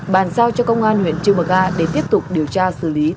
bàn giao cho công an huyện trương bờ ga để tiếp tục điều tra xử lý theo quy định của pháp luật